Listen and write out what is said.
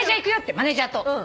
マネジャーと。